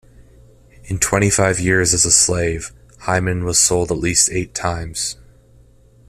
In twenty-five years as a slave, Hyman was sold at least eight times.